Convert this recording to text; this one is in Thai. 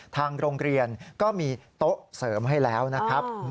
ทางโรงเรียนก็มีโต๊ะเสริมให้แล้วนะครับ